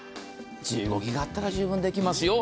１５ギガあったり十分できますよ。